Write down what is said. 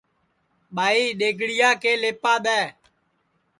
ٻائی دؔیگڑِیا کے لیپا دؔے